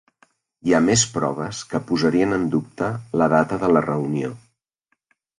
Hi ha més proves que posarien en dubte la data de la reunió.